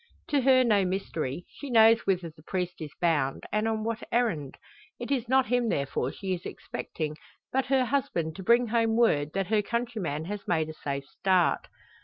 To her no mystery; she knows whither the priest is bound, and on what errand. It is not him therefore she is expecting, but her husband to bring home word that her countryman has made a safe start.